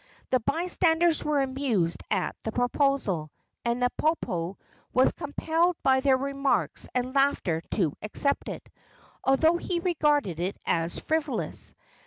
The bystanders were amused at the proposal, and Napopo was compelled by their remarks and laughter to accept it, although he regarded it as frivolous.